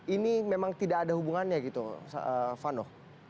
ini memang tidak ada hubungannya gitu vano